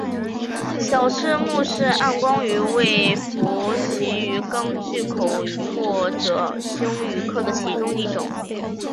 小翅穆氏暗光鱼为辐鳍鱼纲巨口鱼目褶胸鱼科的其中一种。